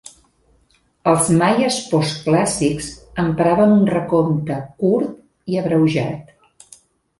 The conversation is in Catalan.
Els maies postclàssics empraven un recompte curt i abreujat.